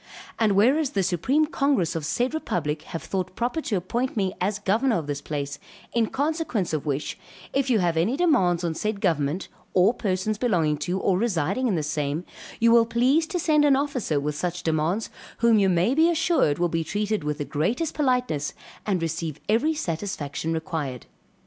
And whereas the supreme congress of said republic have thought proper to appoint me as governor of this place, in consequence of which, if you have any demands on said government, or persons belonging to or residing in the same, you will please to send an officer with such demands, whom you may be assured will be treated with the greatest politeness, and receive every satisfaction required.